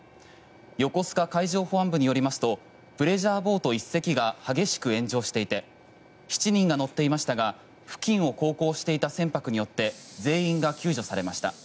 横須賀海上保安部によりますとプレジャーボート１隻が激しく炎上していて７人が乗っていましたが付近を航行していた船舶によって全員が救助されました。